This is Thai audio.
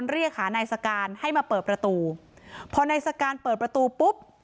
เรียกหานายสการให้มาเปิดประตูพอนายสการเปิดประตูปุ๊บ